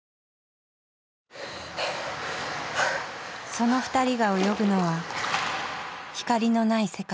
その２人が泳ぐのは光のない世界。